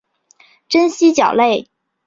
真蜥脚类。